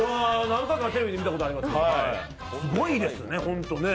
何回かテレビで見たことあります、すごいですね。